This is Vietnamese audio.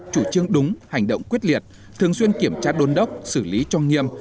chủ trương đúng hành động quyết liệt thường xuyên kiểm tra đôn đốc xử lý cho nghiêm